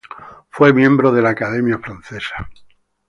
Fue miembro de la Academia francesa.